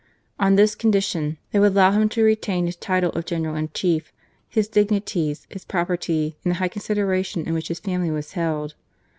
On this condition they would allow him to retain his title of General in Chief, his dignities, his property, and the high consideration in which his family was held.